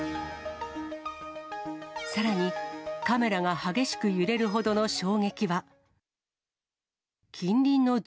さらに、カメラが激しく揺れるほどの衝撃は。